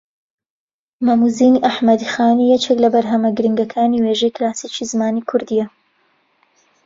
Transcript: مەم و زینی ئەحمەدی خانی یەکێک لە بەرھەمە گرینگەکانی وێژەی کلاسیکی زمانی کوردییە